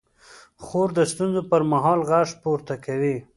خور د ستونزو پر مهال غږ پورته کوي.